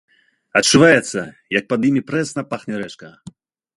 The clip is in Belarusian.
Адчуваецца, як пад імі прэсна пахне рэчка.